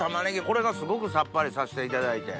これがすごくさっぱりさしていただいて。